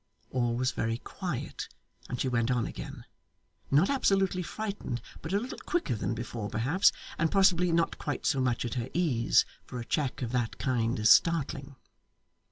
All was very quiet, and she went on again not absolutely frightened, but a little quicker than before perhaps, and possibly not quite so much at her ease, for a check of that kind is startling.